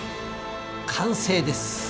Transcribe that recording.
完成です。